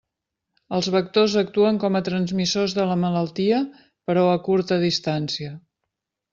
Els vectors actuen com a transmissors de la malaltia però a curta distància.